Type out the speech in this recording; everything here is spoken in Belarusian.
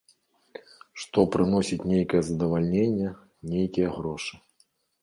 Што прыносіць нейкае задавальненне, нейкія грошы.